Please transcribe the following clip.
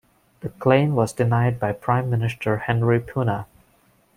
The claim was denied by Prime Minister Henry Puna.